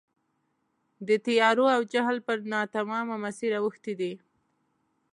د تیارو او جهل پر ناتمامه مسیر اوښتي دي.